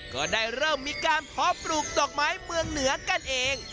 ก็ได้เริ่มมีการเพาะปลูกดอกไม้เมืองเหนือกันเอง